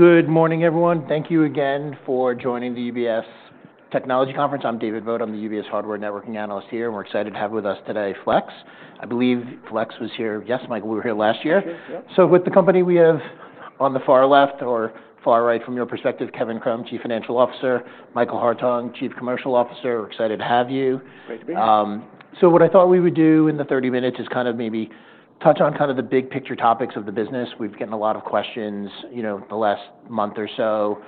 Good morning, everyone. Thank you again for joining the UBS Technology Conference. I'm David Vogt. I'm the UBS Hardware Networking Analyst here, and we're excited to have with us today Flex. I believe Flex was here, yes, Michael, we were here last year. Yes, yes. with the company we have on the far left or far right from your perspective, Kevin Krumm, Chief Financial Officer. Michael Hartung, Chief Commercial Officer. We're excited to have you. Great to be here. what I thought we would do in the 30 minutes is kind of maybe touch on kind of the big picture topics of the business. We've gotten a lot of questions, you know, the last month or so,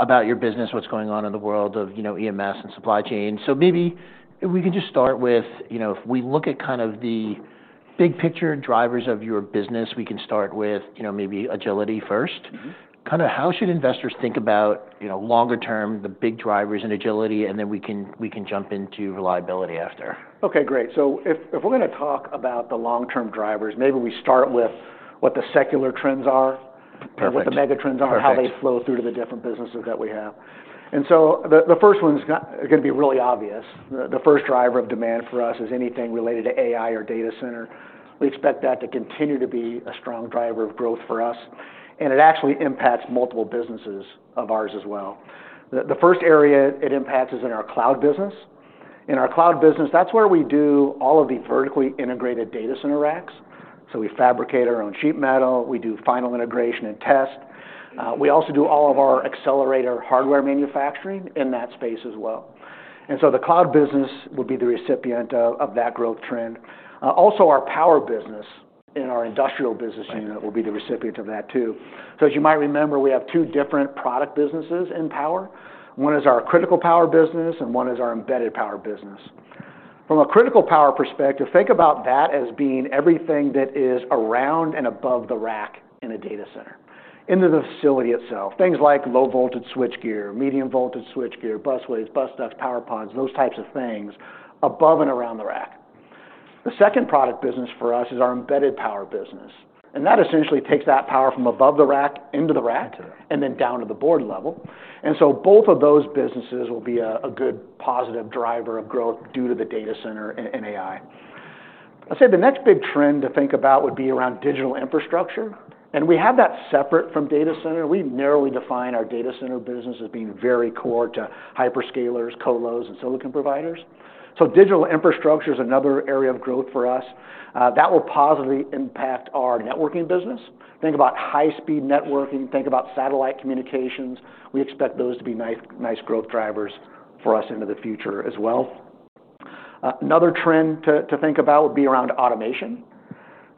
about your business, what's going on in the world of, you know, EMS and supply chain. maybe if we can just start with, you know, if we look at kind of the big picture drivers of your business, we can start with, you know, maybe Agility first. Kind of, how should investors think about, you know, longer term, the big drivers and Agility, and then we can jump into Reliability after. Okay, great. if we're gonna talk about the long-term drivers, maybe we start with what the secular trends are. Perfect. What the mega trends are. Perfect. How they flow through to the different businesses that we have. And so the first one's gonna be really obvious. The first driver of demand for us is anything related to AI or data center. We expect that to continue to be a strong driver of growth for us, and it actually impacts multiple businesses of ours as well. The first area it impacts is in our cloud business. In our cloud business, that's where we do all of the vertically integrated data center racks. we fabricate our own sheet metal. We do final integration and test. We also do all of our accelerator hardware manufacturing in that space as well. And so the cloud business would be the recipient of that growth trend. Also our power business in our Industrial business unit would be the recipient of that too. As you might remember, we have two different product businesses in power. One is our Critical Power business, and one is our Embedded Power business. From a Critical Power perspective, think about that as being everything that is around and above the rack in a data center, into the facility itself. Things like low-voltage switchgear, medium-voltage switchgear, busways, bus ducts, power pods, those types of things above and around the rack. The second product business for us is our Embedded Power business, and that essentially takes that power from above the rack into the rack. Into the rack. And then down to the board level. And so both of those businesses will be a good positive driver of growth due to the data center and AI. I'd say the next big trend to think about would be around digital infrastructure. And we have that separate from data center. We narrowly define our data center business as being very core to hyperscalers, colos, and silicon providers. digital infrastructure is another area of growth for us. That will positively impact our networking business. Think about high-speed networking. Think about satellite communications. We expect those to be nice growth drivers for us into the future as well. Another trend to think about would be around automation.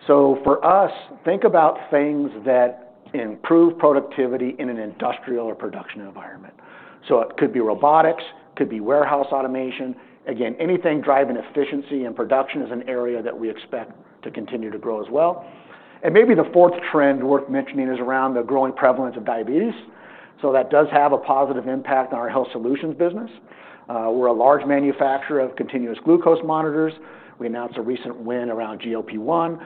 for us, think about things that improve productivity in an industrial or production environment. it could be robotics, could be warehouse automation. Again, anything driving efficiency and production is an area that we expect to continue to grow as well. And maybe the fourth trend worth mentioning is around the growing prevalence of diabetes. that does have a positive impact on our Health Solutions business. We're a large manufacturer of continuous glucose monitors. We announced a recent win around GLP-1.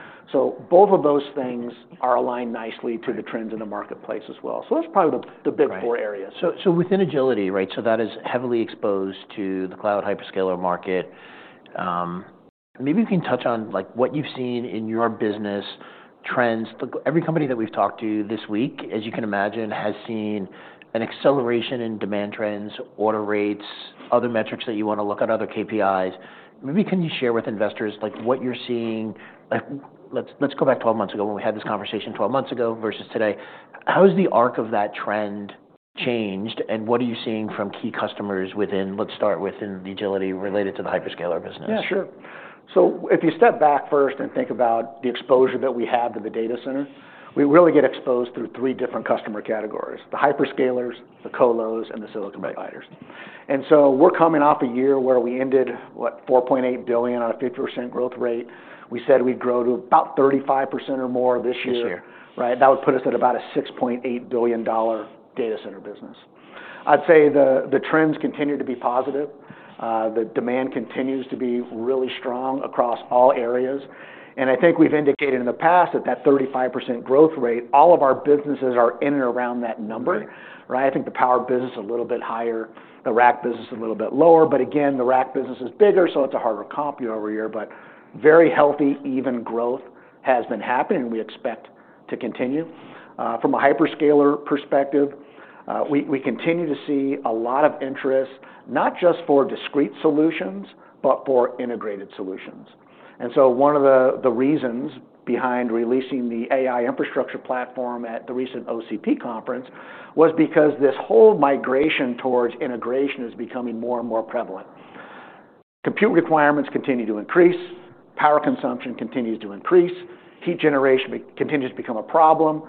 both of those things are aligned nicely to the trends in the marketplace as well. that's probably the big four areas. Right. within Agility, right, that is heavily exposed to the cloud hyperscaler market. Maybe you can touch on, like, what you've seen in your business trends. Look, every company that we've talked to this week, as you can imagine, has seen an acceleration in demand trends, order rates, other metrics that you wanna look at, other KPIs. Maybe can you share with investors, like, what you're seeing? Like, let's, let's go back 12 months ago when we had this conversation 12 months ago versus today. How has the arc of that trend changed, and what are you seeing from key customers within. Let's start within the Agility related to the hyperscaler business? Yeah, sure. if you step back first and think about the exposure that we have to the data center, we really get exposed through three different customer categories: the hyperscalers, the colos, and the silicon providers. Right. And so we're coming off a year where we ended, what, $4.8 billion on a 50% growth rate. We said we'd grow to about 35% or more this year. This year. Right. That would put us at about a $6.8 billion data center business. I'd say the trends continue to be positive. The demand continues to be really strong across all areas. And I think we've indicated in the past that 35% growth rate, all of our businesses are in and around that number. Mm-hmm. Right. I think the power business is a little bit higher, the rack business is a little bit lower. But again, the rack business is bigger, so it's a harder comp year over year. But very healthy, even growth has been happening, and we expect to continue. From a hyperscaler perspective, we continue to see a lot of interest, not just for discrete solutions, but for integrated solutions. And so one of the reasons behind releasing the AI infrastructure platform at the recent OCP conference was because this whole migration towards integration is becoming more and more prevalent. Compute requirements continue to increase. Power consumption continues to increase. Heat generation continues to become a problem.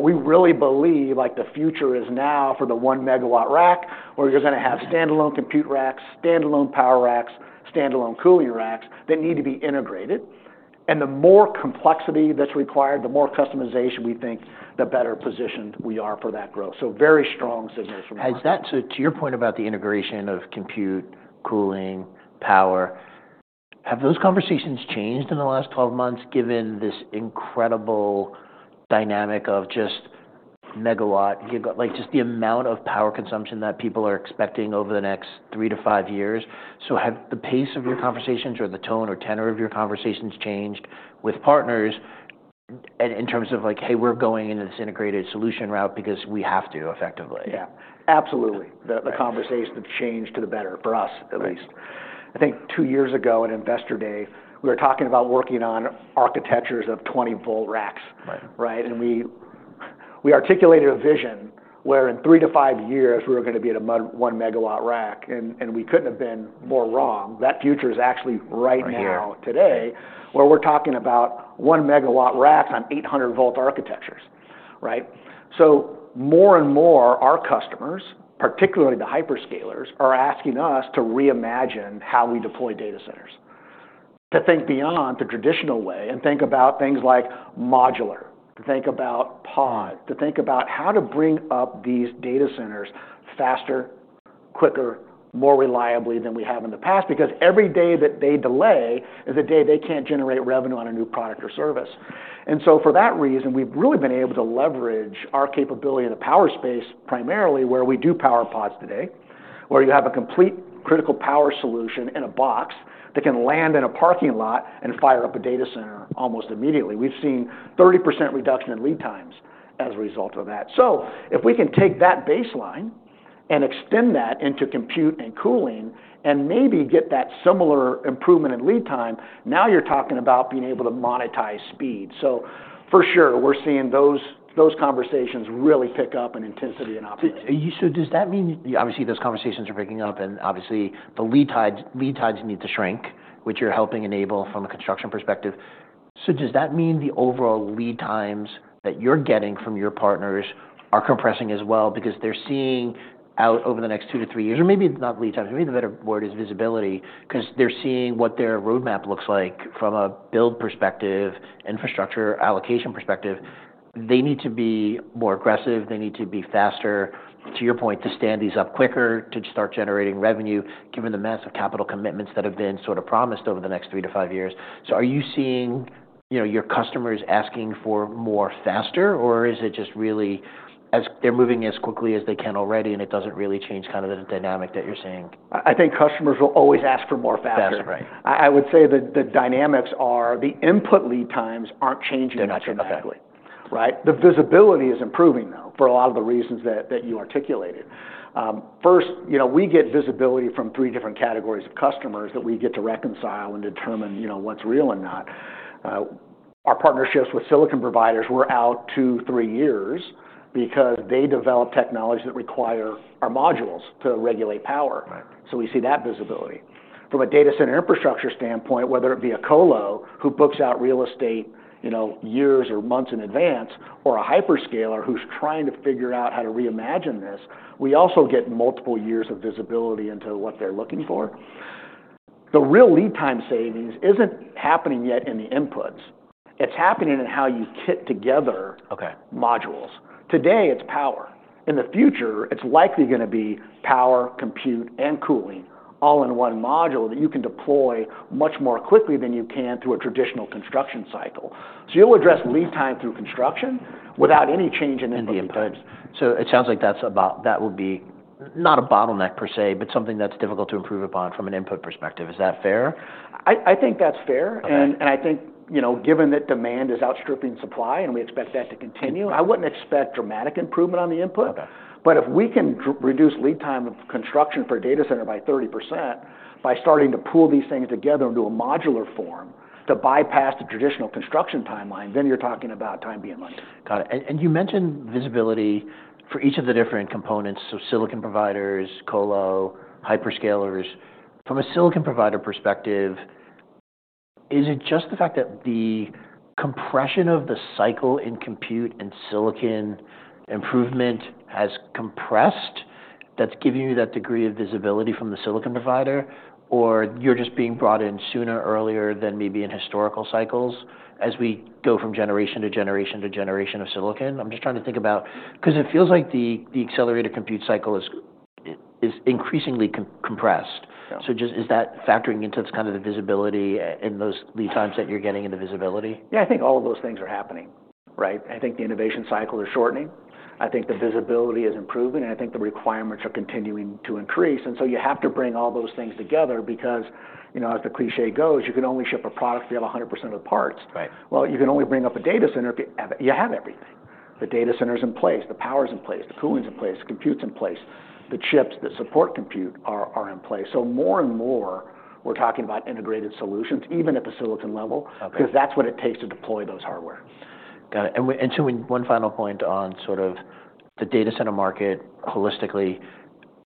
We really believe, like, the future is now for the1 MW rack, where you're gonna have standalone compute racks, standalone power racks, standalone cooling racks that need to be integrated. The more complexity that's required, the more customization we think, the better positioned we are for that growth. Very strong signals from our side. And that too, to your point about the integration of compute, cooling, power, have those conversations changed in the last 12 months given this incredible dynamic of just megawatt, gigawatt, like, just the amount of power consumption that people are expecting over the next three to five years? have the pace of your conversations or the tone or tenor of your conversations changed with partners in terms of, like, "Hey, we're going into this integrated solution route because we have to effectively"? Yeah. Absolutely. The conversations have changed to the better for us, at least. Right. I think two years ago at Investor Day, we were talking about working on architectures of 20-volt racks. Right. Right. And we, we articulated a vision where in three to five years, we were gonna be at a 1 MW rack, and, and we couldn't have been more wrong. That future is actually right now. Right here. Today, where we're talking about 1 MW racks on 800-volt architectures, right? more and more, our customers, particularly the hyperscalers, are asking us to reimagine how we deploy data centers, to think beyond the traditional way and think about things like modular, to think about pod, to think about how to bring up these data centers faster, quicker, more reliably than we have in the past. Because every day that they delay is a day they can't generate revenue on a new product or service. And so for that reason, we've really been able to leverage our capability in the power space primarily, where we do power pods today, where you have a complete Critical Power solution in a box that can land in a parking lot and fire up a data center almost immediately. We've seen 30% reduction in lead times as a result of that. If we can take that baseline and extend that into compute and cooling and maybe get that similar improvement in lead time, now you're talking about being able to monetize speed. For sure, we're seeing those conversations really pick up in intensity and optimism. does that mean obviously those conversations are picking up, and obviously the lead time lead times need to shrink, which you're helping enable from a construction perspective? does that mean the overall lead times that you're getting from your partners are compressing as well? Because they're seeing out over the next two to three years, or maybe it's not lead times. Maybe the better word is visibility. 'Cause they're seeing what their roadmap looks like from a build perspective, infrastructure allocation perspective. They need to be more aggressive. They need to be faster, to your point, to stand these up quicker, to start generating revenue, given the massive capital commitments that have been sort of promised over the next three to five years. Are you seeing, you know, your customers asking for more faster, or is it just really as they're moving as quickly as they can already, and it doesn't really change kind of the dynamic that you're seeing? I think customers will always ask for more faster. Faster, right. I would say that the dynamics are the input lead times aren't changing dramatically. They're not changing. Right. The visibility is improving, though, for a lot of the reasons that you articulated. First, you know, we get visibility from three different categories of customers that we get to reconcile and determine, you know, what's real and not. Our partnerships with silicon providers were out two, three years because they develop technologies that require our modules to regulate power. Right. we see that visibility. From a data center infrastructure standpoint, whether it be a colo who books out real estate, you know, years or months in advance, or a hyperscaler who's trying to figure out how to reimagine this, we also get multiple years of visibility into what they're looking for. The real lead time savings isn't happening yet in the inputs. It's happening in how you kit together. Okay. Modules. Today, it's power. In the future, it's likely gonna be power, compute, and cooling all in one module that you can deploy much more quickly than you can through a traditional construction cycle, so you'll address lead time through construction without any change in inputs. In the inputs. it sounds like that's about that would be not a bottleneck per se, but something that's difficult to improve upon from an input perspective. Is that fair? I think that's fair. Okay. I think, you know, given that demand is outstripping supply and we expect that to continue, I wouldn't expect dramatic improvement on the input. Okay. But if we can reduce lead time of construction for a data center by 30% by starting to pool these things together into a modular form to bypass the traditional construction timeline, then you're talking about time being money. Got it. And you mentioned visibility for each of the different components, so silicon providers, colo, hyperscalers. From a silicon provider perspective, is it just the fact that the compression of the cycle in compute and silicon improvement has compressed that's giving you that degree of visibility from the silicon provider, or you're just being brought in sooner, earlier than maybe in historical cycles as we go from generation to generation to generation of silicon? I'm just trying to think about 'cause it feels like the accelerator compute cycle is increasingly compressed. Yeah. just is that factoring into kind of the visibility in those lead times that you're getting and the visibility? Yeah. I think all of those things are happening, right? I think the innovation cycle is shortening. I think the visibility is improving, and I think the requirements are continuing to increase. And so you have to bring all those things together because, you know, as the cliché goes, you can only ship a product if you have 100% of the parts. Right. You can only bring up a data center if you have everything. The data center's in place. The power's in place. The cooling's in place. The compute's in place. The chips that support compute are in place. more and more, we're talking about integrated solutions, even at the silicon level. Okay. 'Cause that's what it takes to deploy those hardware. Got it. And so when one final point on sort of the data center market holistically,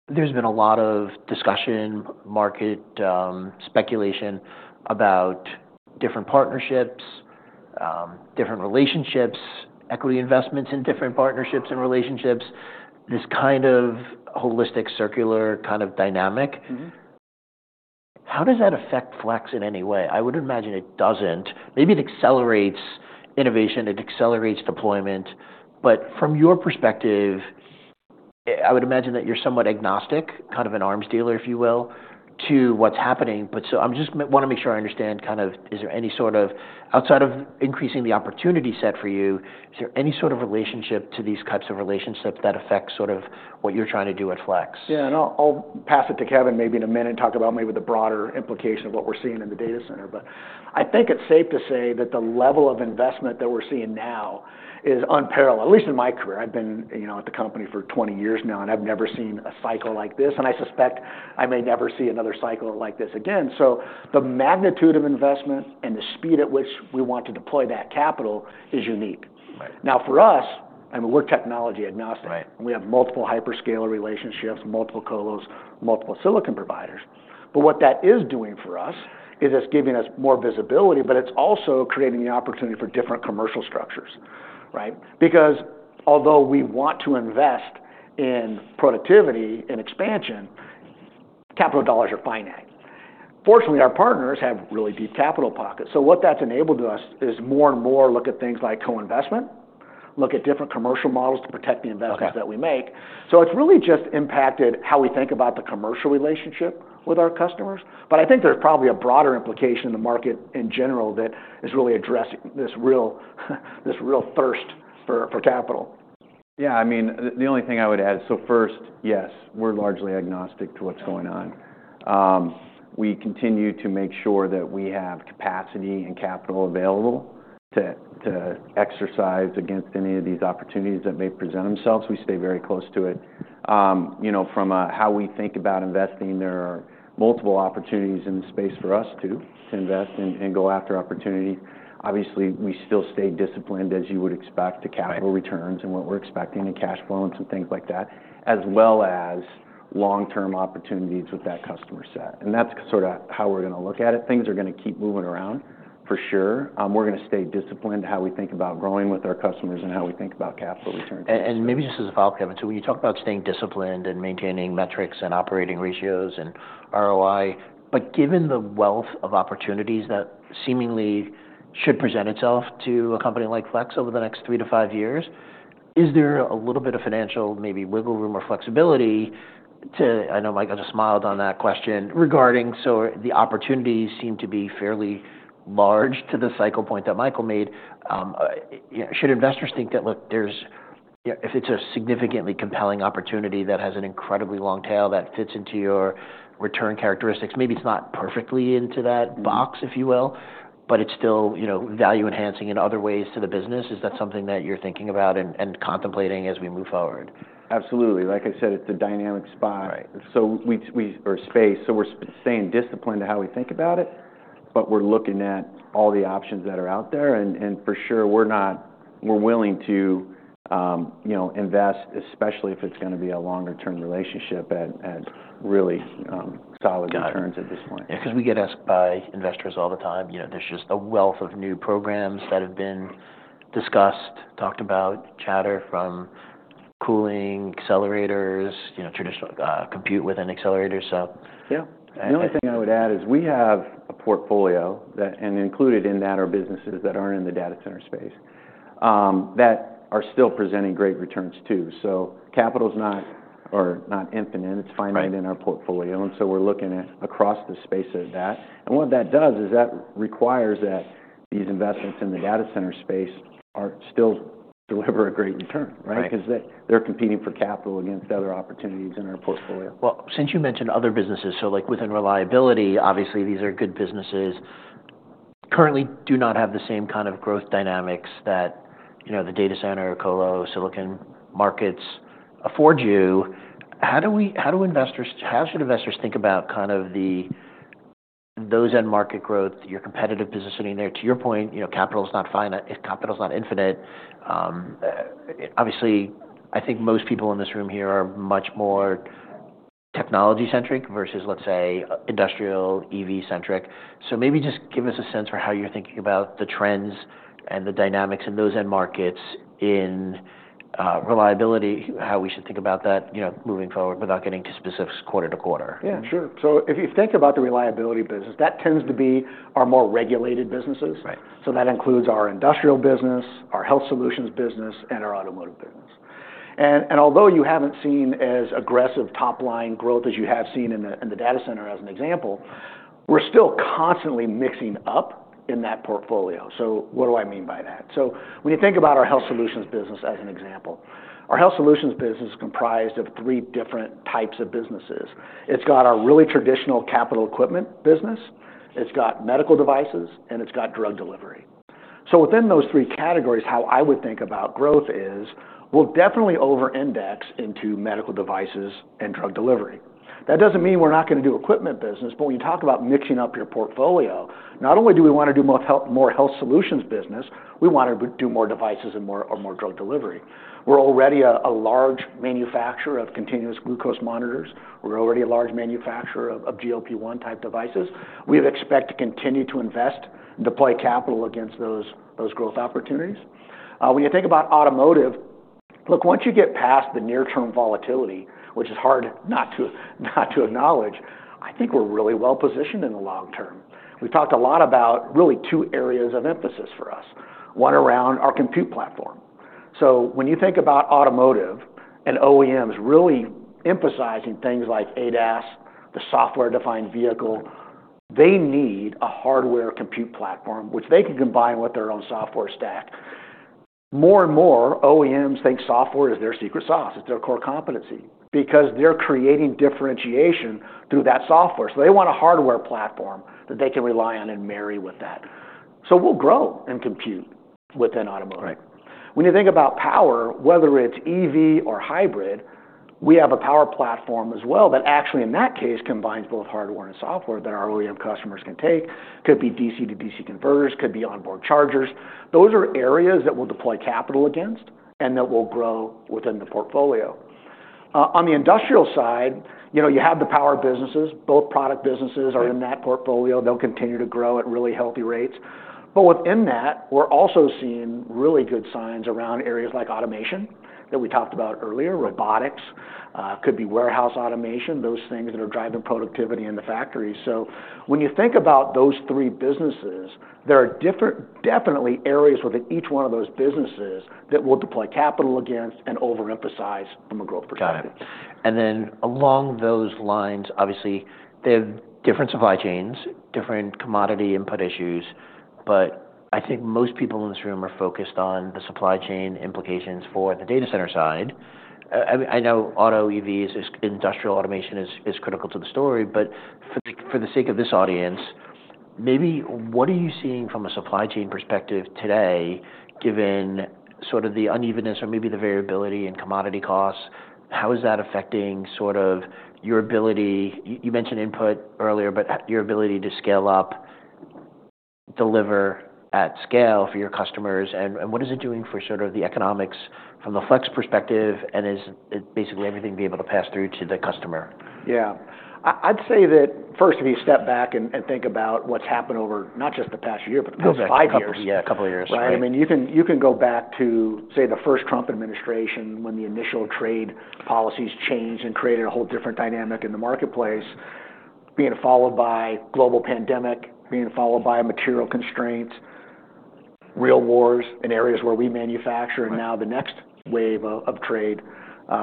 there's been a lot of discussion, market speculation about different partnerships, different relationships, equity investments in different partnerships and relationships, this kind of holistic circular kind of dynamic. Mm-hmm. How does that affect Flex in any way? I would imagine it doesn't. Maybe it accelerates innovation. It accelerates deployment. But from your perspective, I would imagine that you're somewhat agnostic, kind of an arms dealer, if you will, to what's happening. But so, I just wanna make sure I understand kind of is there any sort of, outside of increasing the opportunity set for you, is there any sort of relationship to these types of relationships that affects sort of what you're trying to do at Flex? Yeah. And I'll pass it to Kevin maybe in a minute and talk about maybe the broader implication of what we're seeing in the data center. But I think it's safe to say that the level of investment that we're seeing now is unparalleled, at least in my career. I've been, you know, at the company for 20 years now, and I've never seen a cycle like this. And I suspect I may never see another cycle like this again. the magnitude of investment and the speed at which we want to deploy that capital is unique. Right. Now for us, I mean, we're technology agnostic. Right. We have multiple hyperscaler relationships, multiple colos, multiple silicon providers. What that is doing for us is it's giving us more visibility, but it's also creating the opportunity for different commercial structures, right? Because although we want to invest in productivity and expansion, capital dollars are finite. Fortunately, our partners have really deep capital pockets. What that's enabled us is more and more look at things like co-investment, look at different commercial models to protect the investments. Okay. That we make. it's really just impacted how we think about the commercial relationship with our customers. But I think there's probably a broader implication in the market in general that is really addressing this real thirst for capital. Yeah. I mean, the only thing I would add, so first, yes, we're largely agnostic to what's going on. We continue to make sure that we have capacity and capital available to exercise against any of these opportunities that may present themselves. We stay very close to it. You know, from how we think about investing, there are multiple opportunities in the space for us too, to invest and go after opportunity. Obviously, we still stay disciplined, as you would expect, to capital returns and what we're expecting in cash flows and things like that, as well as long-term opportunities with that customer set. And that's sort of how we're gonna look at it. Things are gonna keep moving around for sure. We're gonna stay disciplined in how we think about growing with our customers and how we think about capital returns. Maybe just as a follow-up, Kevin, so when you talk about staying disciplined and maintaining metrics and operating ratios and ROI, but given the wealth of opportunities that seemingly should present itself to a company like Flex over the next three to five years, is there a little bit of financial maybe wiggle room or flexibility to, I know Michael just smiled on that question regarding, so the opportunities seem to be fairly large to the cycle point that Michael made. You know, should investors think that, look, there's, you know, if it's a significantly compelling opportunity that has an incredibly long tail that fits into your return characteristics, maybe it's not perfectly into that box, if you will, but it's still, you know, value-enhancing in other ways to the business. Is that something that you're thinking about and contemplating as we move forward? Absolutely. Like I said, it's a dynamic spot. Right. We're staying disciplined to how we think about it, but we're looking at all the options that are out there. For sure, we're willing to, you know, invest, especially if it's gonna be a longer-term relationship at really solid returns at this point. Yeah. 'Cause we get asked by investors all the time, you know, there's just a wealth of new programs that have been discussed, talked about, chatter from cooling accelerators, you know, traditional, compute with an accelerator, so. Yeah. And. The only thing I would add is we have a portfolio that, and included in that are businesses that aren't in the data center space, that are still presenting great returns too. capital's not, or not infinite. It's finite in our portfolio. Right. And so we're looking at across the space of that. And what that does is that requires that these investments in the data center space are still deliver a great return, right? Right. 'Cause they're competing for capital against other opportunities in our portfolio. Since you mentioned other businesses, so like within Reliability, obviously these are good businesses, currently do not have the same kind of growth dynamics that, you know, the data center, colo, silicon markets afford you. How do we, how do investors, how should investors think about kind of the, those end market growth, your competitive positioning there? To your point, you know, capital's not finite. Capital's not infinite. Obviously, I think most people in this room here are much more technology-centric versus, let's say, industrial, EV-centric. maybe just give us a sense for how you're thinking about the trends and the dynamics in those end markets in, Reliability, how we should think about that, you know, moving forward without getting too specific, quarter to quarter. Yeah. Sure. if you think about the Reliability business, that tends to be our more regulated businesses. Right. That includes our Industrial business, our Health Solutions business, and our Automotive business. And although you haven't seen as aggressive top-line growth as you have seen in the data center as an example, we're still constantly mixing up in that portfolio. What do I mean by that? When you think about our Health Solutions business as an example, our Health Solutions business is comprised of three different types of businesses. It's got our really traditional capital equipment business. It's got medical devices, and it's got drug delivery. Within those three categories, how I would think about growth is we'll definitely over-index into medical devices and drug delivery. That doesn't mean we're not gonna do equipment business, but when you talk about mixing up your portfolio, not only do we wanna do more health, more Health Solutions business, we wanna do more devices and more, or more drug delivery. We're already a large manufacturer of continuous glucose monitors. We're already a large manufacturer of GLP-1 type devices. We expect to continue to invest and deploy capital against those growth opportunities. When you think about automotive, look, once you get past the near-term volatility, which is hard not to acknowledge, I think we're really well-positioned in the long term. We've talked a lot about really two areas of emphasis for us, one around our compute platform. when you think about automotive and OEMs really emphasizing things like ADAS, the software-defined vehicle, they need a hardware compute platform, which they can combine with their own software stack. More and more, OEMs think software is their secret sauce. It's their core competency because they're creating differentiation through that software. they want a hardware platform that they can rely on and marry with that. we'll grow in compute within automotive. Right. When you think about power, whether it's EV or hybrid, we have a power platform as well that actually, in that case, combines both hardware and software that our OEM customers can take. Could be DC-to-DC converters, could be onboard chargers. Those are areas that we'll deploy capital against and that we'll grow within the portfolio. On the industrial side, you know, you have the power businesses. Both product businesses are in that portfolio. They'll continue to grow at really healthy rates. But within that, we're also seeing really good signs around areas like automation that we talked about earlier, robotics, could be warehouse automation, those things that are driving productivity in the factory. when you think about those three businesses, there are different, definitely areas within each one of those businesses that we'll deploy capital against and over-emphasize from a growth perspective. Got it. And then along those lines, obviously, they have different supply chains, different commodity input issues. But I think most people in this room are focused on the supply chain implications for the data center side. I mean, I know auto, EVs, industrial automation is critical to the story. But for the sake of this audience, maybe what are you seeing from a supply chain perspective today, given sort of the unevenness or maybe the variability in commodity costs? How is that affecting sort of your ability? You mentioned input earlier, but your ability to scale up, deliver at scale for your customers? And what is it doing for sort of the economics from the Flex perspective? And is it basically everything be able to pass through to the customer? Yeah. I'd say that first, if you step back and think about what's happened over not just the past year, but the past five years. No, the past couple of years. Right? I mean, you can, you can go back to, say, the first Trump administration when the initial trade policies changed and created a whole different dynamic in the marketplace, being followed by global pandemic, being followed by material constraints, real wars in areas where we manufacture, and now the next wave of trade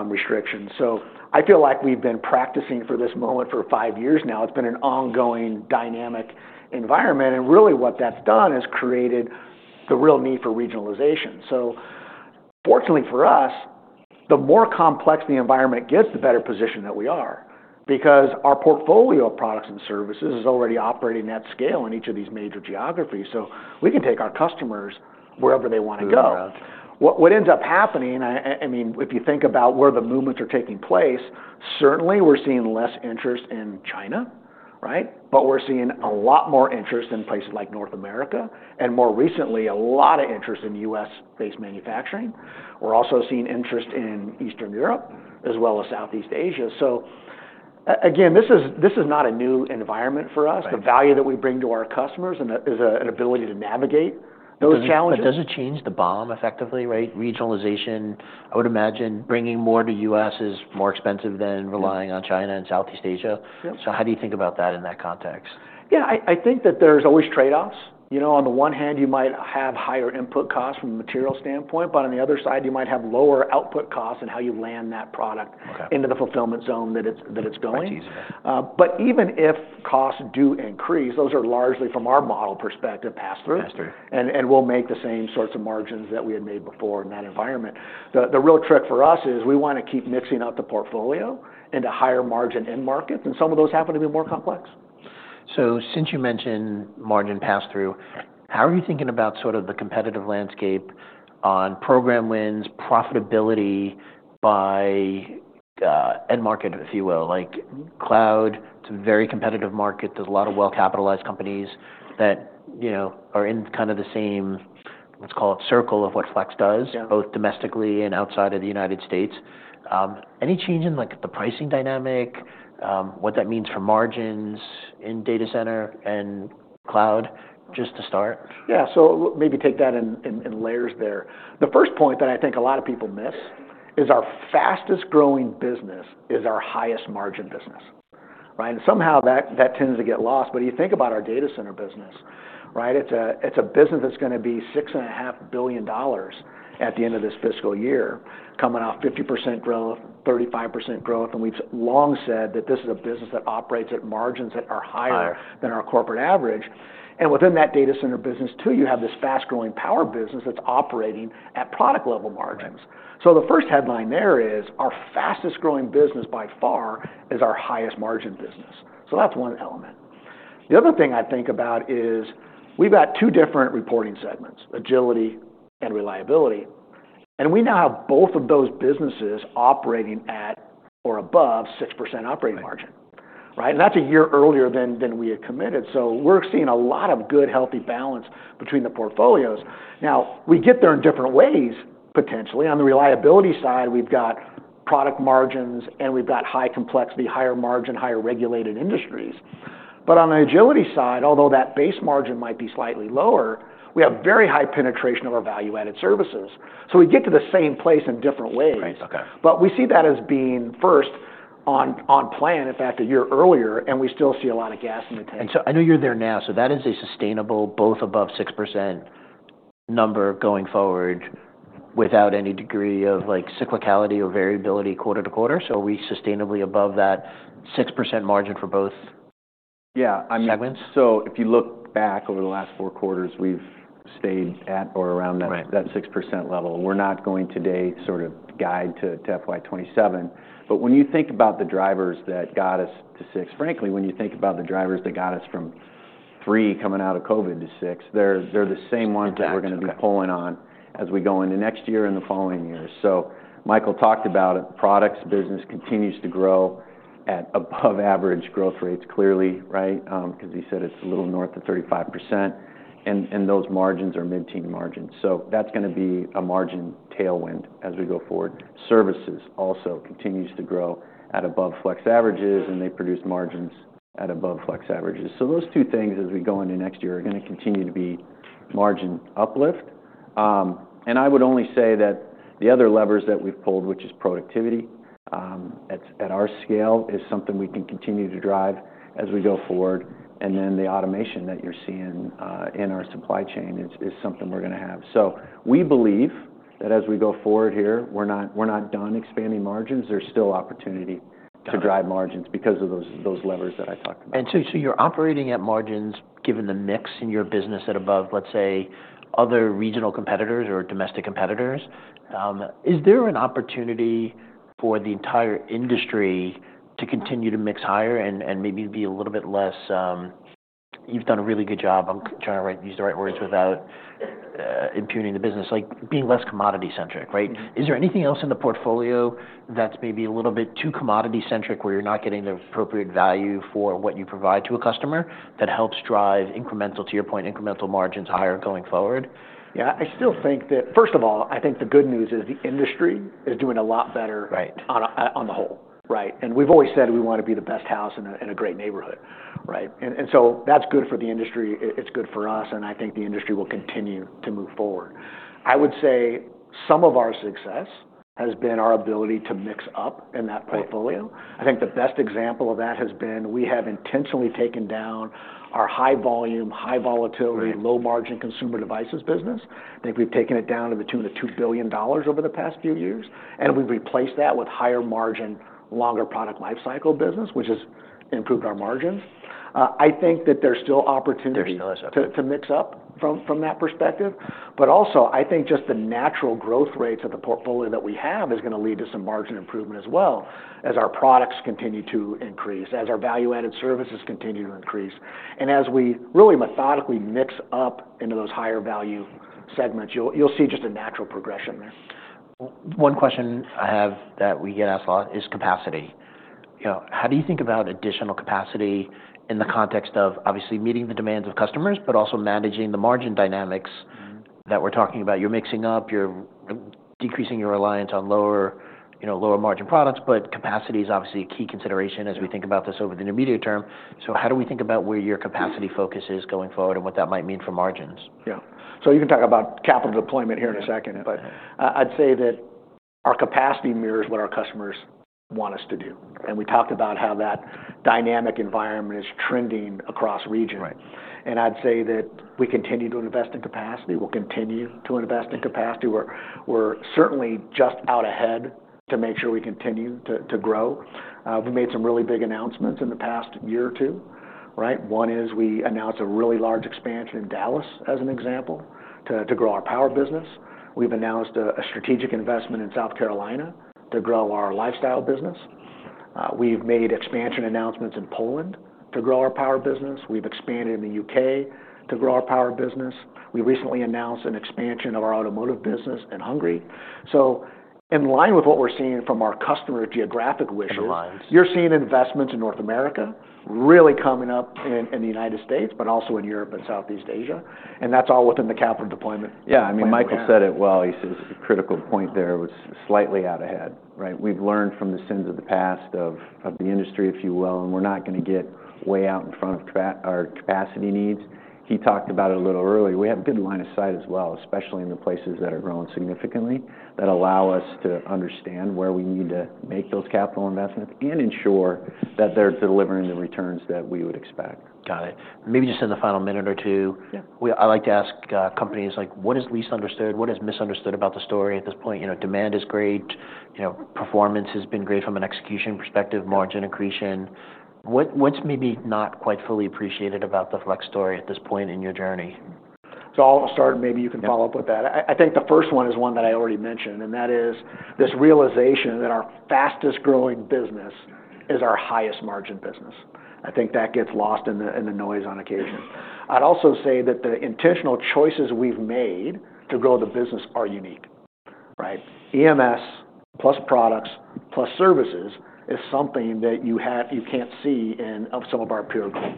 restrictions, so I feel like we've been practicing for this moment for five years now. It's been an ongoing dynamic environment, and really what that's done is created the real need for regionalization, so fortunately for us, the more complex the environment gets, the better position that we are because our portfolio of products and services is already operating at scale in each of these major geographies, so we can take our customers wherever they wanna go. Yeah. What ends up happening, I mean, if you think about where the movements are taking place, certainly we're seeing less interest in China, right? But we're seeing a lot more interest in places like North America and more recently a lot of interest in U.S.-based manufacturing. We're also seeing interest in Eastern Europe as well as utheast Asia. again, this is not a new environment for us. Right. The value that we bring to our customers is an ability to navigate those challenges. But does it change the bottom effectively, right? Regionalization, I would imagine bringing more to U.S. is more expensive than relying on China and utheast Asia. Yep. how do you think about that in that context? Yeah. I think that there's always trade-offs. You know, on the one hand, you might have higher input costs from a material standpoint, but on the other side, you might have lower output costs and how you land that product. Okay. Into the fulfillment zone that it's going. That's easier. But even if costs do increase, those are largely, from our model perspective, pass-through. Pass-through. We'll make the same sorts of margins that we had made before in that environment. The real trick for us is we wanna keep mixing up the portfolio into higher margin end markets. me of those happen to be more complex. Since you mentioned margin pass-through, how are you thinking about sort of the competitive landscape on program wins, profitability by end market, if you will, like cloud? It's a very competitive market. There's a lot of well-capitalized companies that, you know, are in kind of the same, let's call it circle of what Flex does. Yeah. Both domestically and outside of the United States. Any change in like the pricing dynamic, what that means for margins in data center and cloud just to start? Yeah. maybe take that in layers there. The first point that I think a lot of people miss is our fastest growing business is our highest margin business, right? And somehow that tends to get lost. But you think about our data center business, right? It's a business that's gonna be $6.5 billion at the end of this fiscal year, coming off 50% growth, 35% growth. And we've long said that this is a business that operates at margins that are higher. Higher. Than our corporate average. And within that data center business too, you have this fast-growing power business that's operating at product-level margins. the first headline there is our fastest growing business by far is our highest margin business. that's one element. The other thing I think about is we've got two different reporting segments, Agility and Reliability. And we now have both of those businesses operating at or above 6% operating margin, right? And that's a year earlier than we had committed. we're seeing a lot of good, healthy balance between the portfolios. Now, we get there in different ways, potentially. On the Reliability side, we've got product margins and we've got high complexity, higher margin, higher regulated industries. But on the Agility side, although that base margin might be slightly lower, we have very high penetration of our value-added services. we get to the same place in different ways. Right. Okay. But we see that as being first on plan, in fact, a year earlier, and we still see a lot of gas in the tank. And so I know you're there now. that is a sustainable, both above 6% number going forward without any degree of like cyclicality or variability quarter to quarter. are we sustainably above that 6% margin for both segments? Yeah. I mean, so if you look back over the last four quarters, we've stayed at or around that. Right. That 6% level. We're not going today sort of guide to FY 2027. But when you think about the drivers that got us to six, frankly, when you think about the drivers that got us from three coming out of COVID to six, they're the same ones that we're gonna be pulling on as we go into next year and the following year. Michael talked about it. Products business continues to grow at above-average growth rates, clearly, right? 'cause he said it's a little north of 35%. And those margins are mid-teen margins. that's gonna be a margin tailwind as we go forward. Services also continues to grow at above Flex averages, and they produce margins at above Flex averages. those two things, as we go into next year, are gonna continue to be margin uplift. And I would only say that the other levers that we've pulled, which is productivity, at our scale, is something we can continue to drive as we go forward. And then the automation that you're seeing in our supply chain is something we're gonna have. we believe that as we go forward here, we're not done expanding margins. There's still opportunity to drive margins because of those levers that I talked about. And so, you're operating at margins given the mix in your business at above, let's say, other regional competitors or domestic competitors. Is there an opportunity for the entire industry to continue to mix higher and maybe be a little bit less. You've done a really good job. I'm trying to use the right words without impugning the business, like being less commodity-centric, right? Yep. Is there anything else in the portfolio that's maybe a little bit too commodity-centric where you're not getting the appropriate value for what you provide to a customer that helps drive incremental, to your point, incremental margins higher going forward? Yeah. I still think that, first of all, I think the good news is the industry is doing a lot better. Right. On the whole, right? And we've always said we wanna be the best house in a great neighborhood, right? And so that's good for the industry. It's good for us. And I think the industry will continue to move forward. I would say some of our success has been our ability to mix up in that portfolio. I think the best example of that has been we have intentionally taken down our high volume, high volatility. Right. Low-margin Consumer Devices business. I think we've taken it down to the tune of $2 billion over the past few years. And we've replaced that with higher margin, longer product lifecycle business, which has improved our margins. I think that there's still opportunity. There's still that opportunity. To mix up from that perspective. But also, I think just the natural growth rates of the portfolio that we have is gonna lead to some margin improvement as well, as our products continue to increase, as our value-added services continue to increase. And as we really methodically mix up into those higher value segments, you'll see just a natural progression there. One question I have that we get asked a lot is capacity. You know, how do you think about additional capacity in the context of obviously meeting the demands of customers, but also managing the margin dynamics that we're talking about? You're mixing up, you're decreasing your reliance on lower, you know, lower margin products. But capacity is obviously a key consideration as we think about this over the intermediate term. how do we think about where your capacity focus is going forward and what that might mean for margins? Yeah. you can talk about capital deployment here in a second, but I, I'd say that our capacity mirrors what our customers want us to do. And we talked about how that dynamic environment is trending across region. Right. And I'd say that we continue to invest in capacity. We'll continue to invest in capacity. We're certainly just out ahead to make sure we continue to grow. We made some really big announcements in the past year or two, right? One is we announced a really large expansion in Dallas as an example to grow our power business. We've announced a strategic investment in uth Carolina to grow our Lifestyle business. We've made expansion announcements in Poland to grow our power business. We've expanded in the U.K. to grow our power business. We recently announced an expansion of our Automotive business in Hungary. in line with what we're seeing from our customer geographic wishes. Aligns. You're seeing investments in North America really coming up in the United States, but also in Europe and utheast Asia, and that's all within the capital deployment. Yeah. I mean, Michael said it well. He says a critical point there, which is slightly out ahead, right? We've learned from the sins of the past of the industry, if you will, and we're not gonna get way out in front of our capacity needs. He talked about it a little early. We have a good line of sight as well, especially in the places that are growing significantly that allow us to understand where we need to make those capital investments and ensure that they're delivering the returns that we would expect. Got it. Maybe just in the final minute or two. Yeah. I like to ask companies like, what is least understood? What is misunderstood about the story at this point? You know, demand is great. You know, performance has been great from an execution perspective, margin accretion. What's maybe not quite fully appreciated about the Flex story at this point in your journey? I'll start. Maybe you can follow up with that. I think the first one is one that I already mentioned, and that is this realization that our fastest growing business is our highest margin business. I think that gets lost in the noise on occasion. I'd also say that the intentional choices we've made to grow the business are unique, right? EMS plus products plus services is something that you have, you can't see in, of some of our peer group.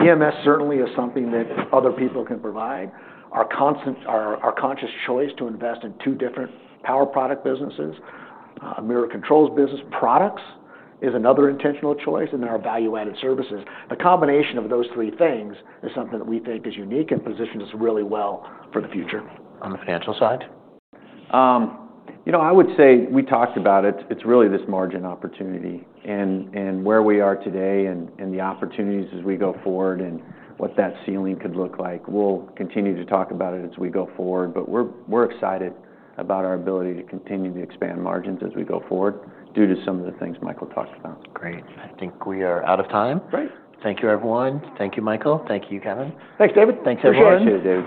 EMS certainly is something that other people can provide. Our conscious choice to invest in two different power product businesses, Mirror Controls business products is another intentional choice. And then our value-added services, the combination of those three things is something that we think is unique and positions us really well for the future. On the financial side? You know, I would say we talked about it. It's really this margin opportunity and where we are today and the opportunities as we go forward and what that ceiling could look like. We'll continue to talk about it as we go forward. But we're excited about our ability to continue to expand margins as we go forward due to some of the things Michael talked about. Great. I think we are out of time. Great. Thank you, everyone. Thank you, Michael. Thank you, Kevin. Thanks, David. Thanks, everyone. Appreciate it, David.